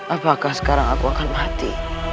apakah sekarang aku akan mati